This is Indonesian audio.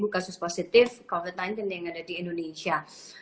satu kasus positif covid sembilan belas yang ada di indonesia